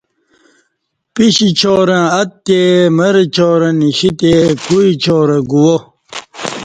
پیش چارں اتّے مرچارں نشتے کوعی چارں گُوا